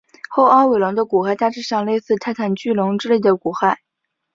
后凹尾龙的骨骸大致上类似泰坦巨龙类的骨骸。